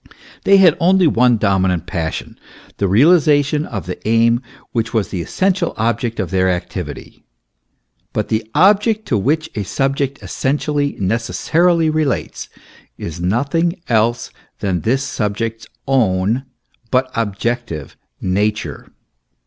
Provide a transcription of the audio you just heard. They had only one dominant passion the realization of the aim which was the essential object of their activity. But the object to which a subject essentially, necessarily relates, is nothing else than this subject's own, but objective, nature.